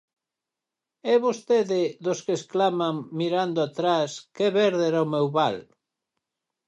_É vostede dos que exclaman mirando atrás que verde era o meu val?